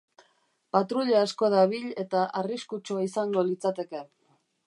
Patruila asko dabil eta arriskutsua izango litzateke.